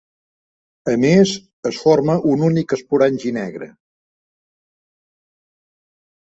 A més, es forma un únic esporangi negre.